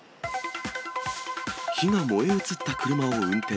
火が燃え移った車を運転。